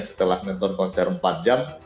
setelah nonton konser empat jam